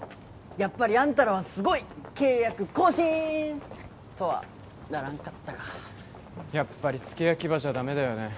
やっぱりあんたらはすごいっ契約更新ー！とはならんかったかやっぱり付け焼き刃じゃダメだよね